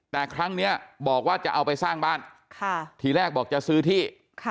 แต่ครั้งนี้บอกว่าจะเอาไปสร้างบ้านทีแรกบอกจะซื้อที่